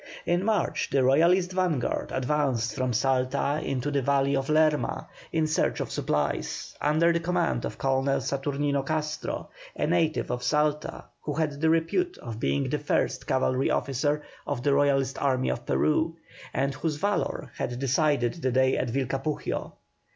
In March the Royalist vanguard advanced from Salta into the valley of Lerma, in search of supplies, under the command of Colonel Saturnino Castro, a native of Salta, who had the repute of being the first cavalry officer of the Royalist army of Peru, and whose valour had decided the day at Vilcapugio.